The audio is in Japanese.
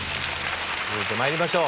続いて参りましょう。